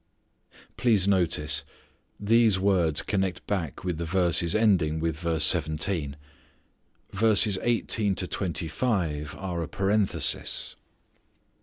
Please notice: these words connect back with the verses ending with verse seventeen. Verses eighteen to twenty five are a parenthesis.